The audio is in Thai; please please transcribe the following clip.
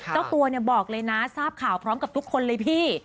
เจ้าตัวบอกเลยนะทราบข่าวพร้อมกับทุกคนเลยพี่